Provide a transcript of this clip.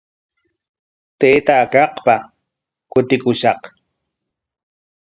Taytaa kaqpa kutikushaq.